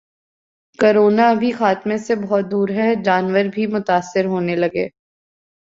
’corona ابھی خاتمے سے بہت دور ہے‘ جانور بھی متاثر ہونے لگے